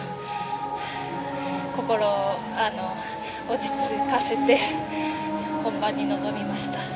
心を落ち着かせて本番に臨みました。